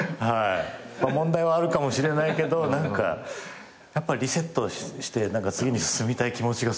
問題はあるかもしれないけどやっぱリセットして次に進みたい気持ちがすごく大きい。